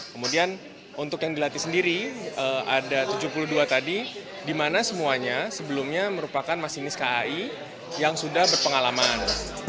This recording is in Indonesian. kemudian untuk yang dilatih sendiri ada tujuh puluh dua tadi di mana semuanya sebelumnya merupakan masinis kai yang sudah berpengalaman